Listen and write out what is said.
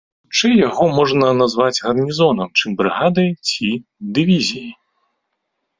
Хутчэй яго можна назваць гарнізонам, чым брыгадай ці дывізіяй.